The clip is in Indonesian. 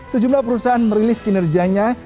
sejumlah perusahaan merilis kinerjanya